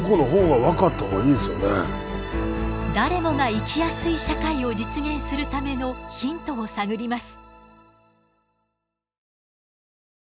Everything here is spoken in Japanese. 誰もが生きやすい社会を実現するためのヒントを探ります。